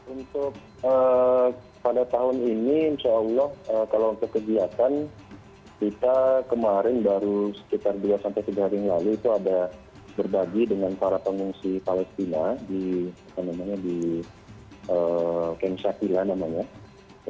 untuk pada tahun ini insya allah kalau untuk kegiatan kita kemarin baru sekitar dua tiga hari yang lalu itu ada berbagi dengan para pengungsi palestina di kem shakila namanya